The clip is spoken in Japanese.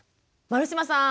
丸島さん